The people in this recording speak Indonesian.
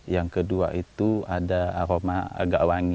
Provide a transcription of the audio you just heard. yang kedua itu ada aroma agak wangi